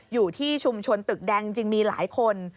อยู่ที่ชุมชนตึกแดงจริงมีหลายคน